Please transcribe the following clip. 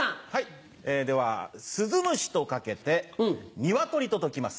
では鈴虫と掛けてニワトリと解きます。